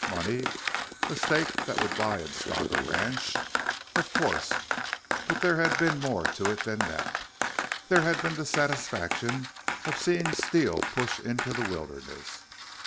Money? A stake that would buy and stock a ranch? Of course. But there had been more to it than that. There had been the satisfaction of seeing steel push into the wilderness.